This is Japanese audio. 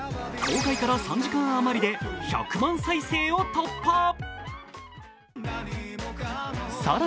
公開から３時間あまりで１００万再生を突破。